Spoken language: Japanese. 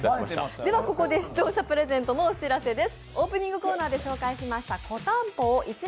ではここで視聴者プレゼントのお知らせです。